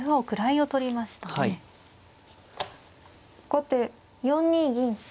後手４二銀。